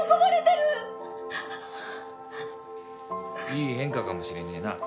いい変化かもしれねえな。